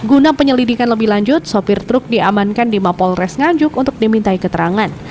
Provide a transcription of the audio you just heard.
guna penyelidikan lebih lanjut sopir truk diamankan di mapol res nganjuk untuk dimintai keterangan